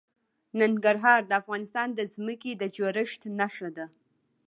ننګرهار د افغانستان د ځمکې د جوړښت نښه ده.